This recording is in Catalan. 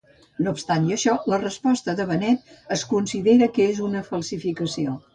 No obstant això, la resposta de Benet es considera que és una falsificació.